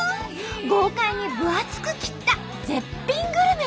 豪快に分厚く切った絶品グルメです。